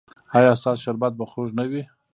ایا ستاسو شربت به خوږ نه وي؟